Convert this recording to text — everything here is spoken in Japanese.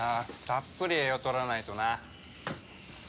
たっぷり栄養とらないとな。